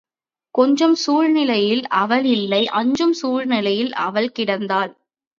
கொஞ்சும் சூழ்நிலையில் அவள் இல்லை அஞ்சும் சூழ்நிலையில் அவள் கிடந்தாள்.